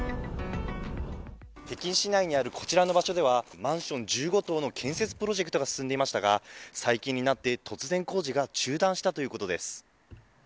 北京市内にあるこちらの場所ではマンション１５棟の建設プロジェクトが進んでいましたが、最近になって突然工事が中断したということです。